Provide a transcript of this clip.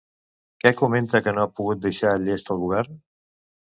Què comenta que no ha pogut deixar llest el govern?